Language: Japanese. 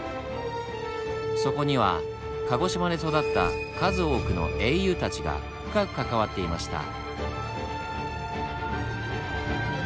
そこには鹿児島で育った数多くの英雄たちが深く関わっていました。